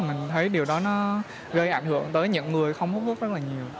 mình thấy điều đó nó gây ảnh hưởng tới những người không hút thuốc rất là nhiều